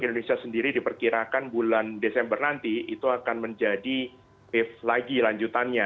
jadi kalau kita sendiri diperkirakan bulan desember nanti itu akan menjadi wave lagi lanjutannya